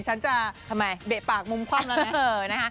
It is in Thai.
ดิฉันจะเดะปากมุมคว่ำแล้วนะ